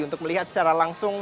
untuk melihat secara langsung